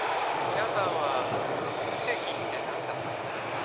「皆さんは奇跡ってなんだと思いますか？」